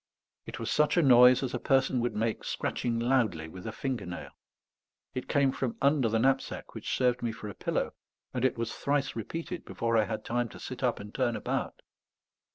It was such a noise as a person would make scratching loudly with a finger nail; it came from under the knapsack which served me for a pillow, and it was thrice repeated before I had time to sit up and turn about.